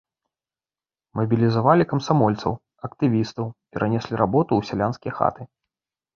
Мабілізавалі камсамольцаў, актывістаў, перанеслі работу ў сялянскія хаты.